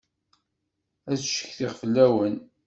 Ad ccetkiɣ fell-awen.